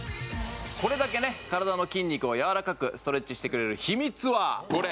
これだけね体の筋肉をやわらかくストレッチしてくれる秘密はこれ！